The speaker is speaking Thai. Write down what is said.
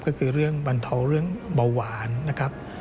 ก็คือเรื่องบรรเทาเรื่องเบาหวานนะครับ